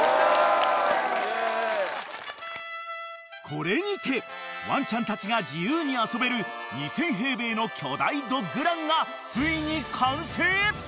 ［これにてワンちゃんたちが自由に遊べる２，０００平米の巨大ドッグランがついに完成］